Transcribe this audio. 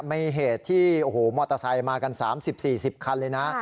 มีเหตุที่โอ้โหมอเตอร์ไซค์มากัน๓๐๔๐คันเลยนะ